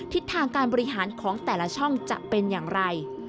ทิศทางการบริหารของแต่ละช่องจะเป็นอย่างไร